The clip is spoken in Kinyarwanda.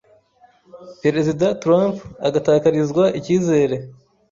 perezida trump agatakarizwa ikizere,